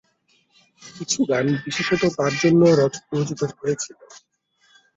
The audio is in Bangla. কিছু গান বিশেষত তাঁর জন্য রচিত হয়েছিল।